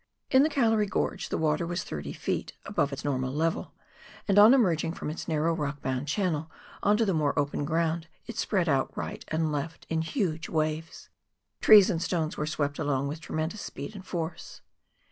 In the Gallery Gorge, the water was thirty feet above its normal level, and on emerging from its narrow rock bound channel on to the more open ground, it spread out right and left in huge waves. Trees and stones were swept along with tremendous speed and force.